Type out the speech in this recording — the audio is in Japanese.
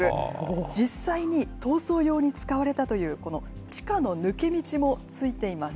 実際に逃走用に使われたという、この地下の抜け道も付いています。